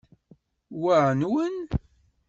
Wa nwen?